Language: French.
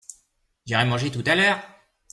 j'irai manger tout à l'heure.